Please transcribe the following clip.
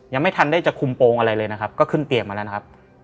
ยังไม่ทันได้จะคุมโปรงอะไรเลยนะครับก็ขึ้นเตียงมาแล้วนะครับ